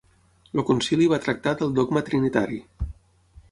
El concili va tractar del dogma trinitari.